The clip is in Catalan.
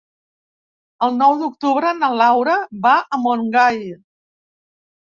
El nou d'octubre na Laura va a Montgai.